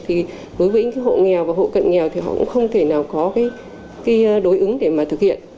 thì đối với những hộ nghèo và hộ cận nghèo thì họ cũng không thể nào có cái đối ứng để mà thực hiện